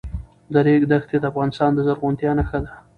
د ریګ دښتې د افغانستان د زرغونتیا نښه ده.